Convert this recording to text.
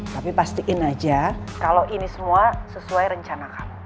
tapi pastiin aja kalau ini semua sesuai rencana kamu